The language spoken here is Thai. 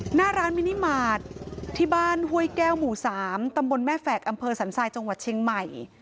หน้าร้านมินิมาตรที่บ้านห้วยแก้วหมู่๓ตำบลแม่แฝกอำเภอสันทรายจังหวัดเชียงใหม่